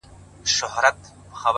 اخلاق د انسان خاموشه پېژندپاڼه ده؛